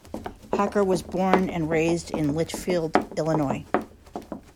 Hacker was born and raised in Litchfield, Illinois.